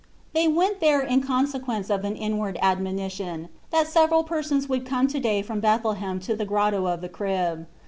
They went there in consequence of an inward admonition that several persons would come to day from Bethlehem to the Grotto of the Crib.